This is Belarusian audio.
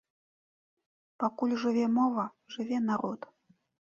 Пакуль жыве мова, жыве народ.